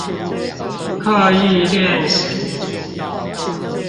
刻意練習